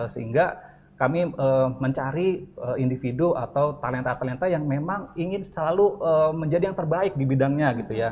sehingga kami mencari individu atau talenta talenta yang memang ingin selalu menjadi yang terbaik di bidangnya gitu ya